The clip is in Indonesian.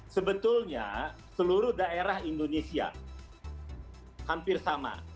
sebetulnya seluruh daerah indonesia hampir sama